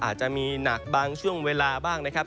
อาจจะมีหนักบางช่วงเวลาบ้างนะครับ